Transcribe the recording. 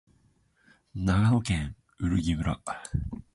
長野県売木村